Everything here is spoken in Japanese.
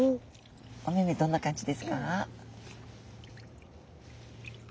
お目目どんな感じですか？